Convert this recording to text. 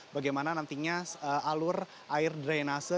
bagaimana nantinya alur air drainase